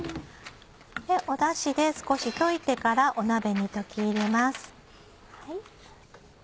ダシで少し溶いてから鍋に溶き入れます。